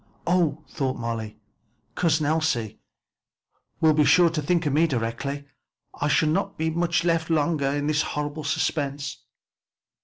"Oh!" thought Molly, "Cousin Elsie will be sure to think of me directly and I shall not be left much longer in this horrible suspense."